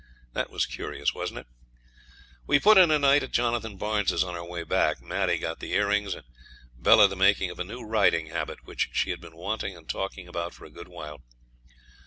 That was curious, wasn't it? We put in a night at Jonathan Barnes's on our way back. Maddie got the earrings, and Bella the making of a new riding habit, which she had been wanting and talking about for a good while.